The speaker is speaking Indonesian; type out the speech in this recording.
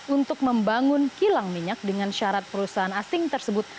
untuk membangun kilang minyak dengan syarat perusahaan asing tersebut